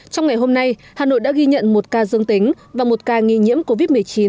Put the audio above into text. trong ngày hôm nay hà nội đã ghi nhận một ca dương tính và một ca nghi nhiễm covid một mươi chín